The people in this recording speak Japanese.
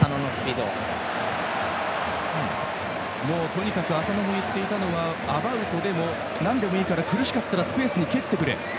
とにかく浅野が言っていたのはアバウトでもなんでもいいから苦しかったらスペースに蹴ってくれ。